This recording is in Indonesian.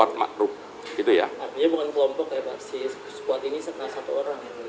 artinya bukan kelompok ya pak si squad ini setelah satu orang